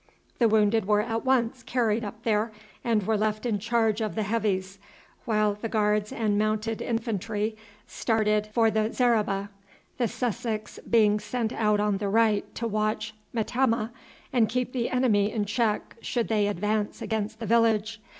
The wounded were at once carried up there and were left in charge of the Heavies, while the Guards and Mounted Infantry started for the zareba, the Sussex being sent out on the right to watch Metemmeh and keep the enemy in check should they advance against the village.